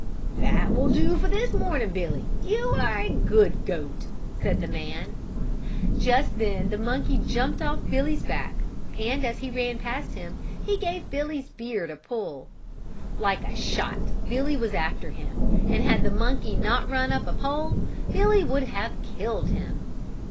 "That will do for this morning, Billy, you are a good goat," said the man. Just then the monkey jumped off Billy's back, and as he ran past him, he gave Billy's beard a pull. Like a shot Billy was after him and had the monkey not run up a pole, Billy would have killed him.